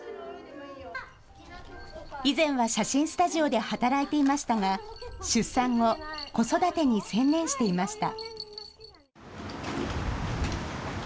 以前は写真スタジオで働いていましたが、出産後、子育てに専念していました。